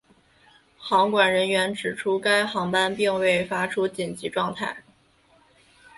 航管人员指出该航班并未发出紧急状态。